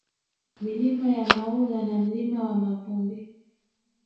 Milima ya Maula na Mlima wa Mavumbi